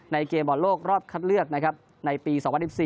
เกมบอลโลกรอบคัดเลือกนะครับในปี๒๐๑๔